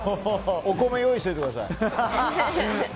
お米用意しておいてください。